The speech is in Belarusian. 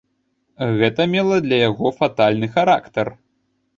Гэта мела для яго фатальны характар.